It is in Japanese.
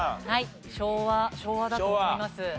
昭和昭和だと思います。